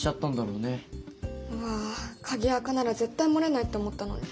うわあ鍵アカなら絶対漏れないって思ったのに。